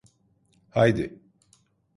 Haydi.